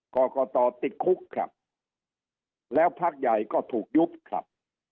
กรกตติดคุกครับแล้วพักใหญ่ก็ถูกยุบครับ